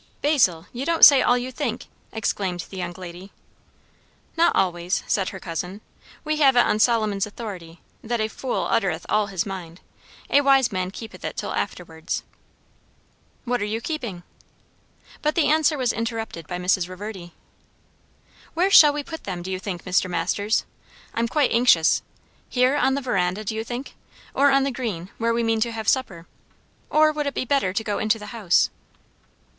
"Basil, you don't say all you think!" exclaimed the young lady. "Not always," said her cousin. "We have it on Solomon's authority, that a 'fool uttereth all his mind. A wise man keepeth it till afterwards.'" "What are you keeping?" But the answer was interrupted by Mrs. Reverdy. "Where shall we put them, do you think, Mr. Masters? I'm quite anxious. Here, on the verandah, do you think? or on the green, where we mean to have supper? or would it be better to go into the house?"